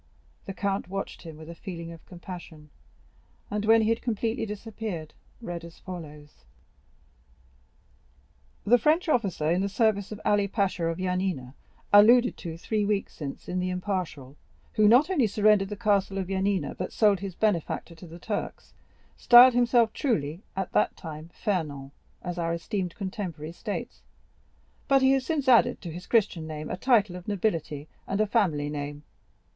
The count watched him with a feeling of compassion, and when he had completely disappeared, read as follows: "The French officer in the service of Ali Pasha of Yanina alluded to three weeks since in l'Impartial, who not only surrendered the castle of Yanina, but sold his benefactor to the Turks, styled himself truly at that time Fernand, as our esteemed contemporary states; but he has since added to his Christian name a title of nobility and a family name.